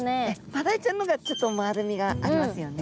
マダイちゃんの方がちょっと丸みがありますよね。